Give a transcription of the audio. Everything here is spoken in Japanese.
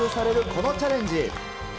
このチャレンジ。